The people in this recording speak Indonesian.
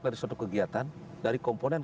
dari suatu kegiatan dari komponen